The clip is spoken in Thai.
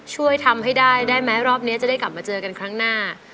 ช่วยทำให้ได้ได้ไหมรอบนี้จะได้กลับมาเจอกันครั้งหน้า